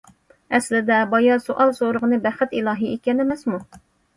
ئەسلىدە بايا سوئال سورىغىنى بەخت ئىلاھى ئىكەن ئەمەسمۇ!